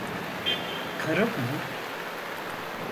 Karım mı?